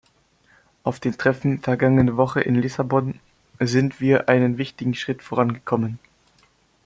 Auf dem Treffen vergangene Woche in Lissabon sind wir einen wichtigen Schritt vorangekommen.